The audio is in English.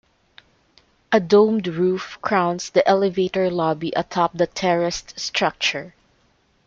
A domed roof crowns the elevator lobby atop the terraced structure.